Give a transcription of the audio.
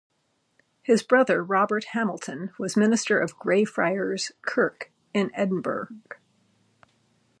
His brother Robert Hamilton was minister of Greyfriars kirk in Edinburgh.